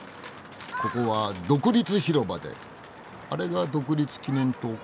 ここは独立広場であれが独立記念塔か。